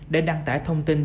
đã đăng tải thông tin